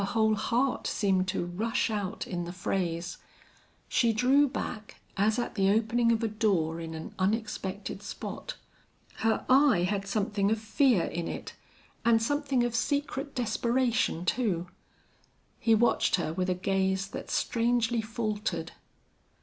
Her whole heart seemed to rush out in the phrase. She drew back as at the opening of a door in an unexpected spot. Her eye had something of fear in it and something of secret desperation too. He watched her with a gaze that strangely faltered.